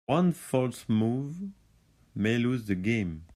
One false move may lose the game.